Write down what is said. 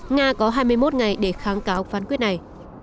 nga có hai mươi một ngày để kháng cáo phán quyết này